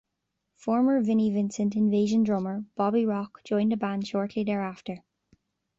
Former Vinnie Vincent Invasion drummer Bobby Rock joined the band shortly thereafter.